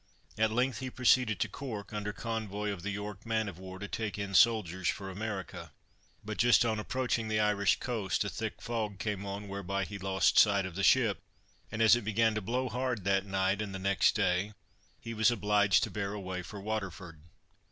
At length he proceeded to Cork, under convoy of the York man of war to take in soldiers for America, but just on approaching the Irish coast, a thick fog came on whereby he lost sight of the ship, and as it began to blow hard that night and the next day, he was obliged to bear away for Waterford.